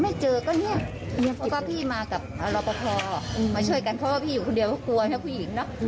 ไม่เจอก็เนี่ยเพราะว่าพี่มากับรอปภมาช่วยกันเพราะว่าพี่อยู่คนเดียวก็กลัวนะผู้หญิงเนอะ